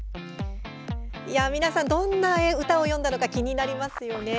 皆さん、どんな歌を詠んだのか気になりますよね。